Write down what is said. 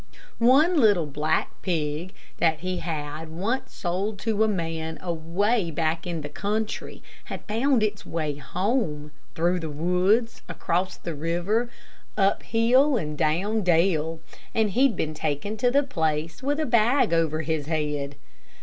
One little black pig that he had once sold to a man away back in the country had found his way home, through the woods, across the river, up hill and down dale, and he'd been taken to the place with a bag over his head.